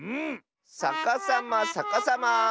さかさまさかさま。